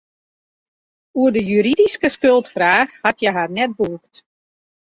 Oer de juridyske skuldfraach hat hja har net bûgd.